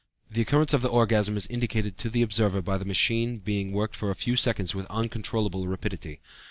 The occurrence of the orgasm is indicated to the observer by the machine being worked for a few seconds with uncontrollable rapidity.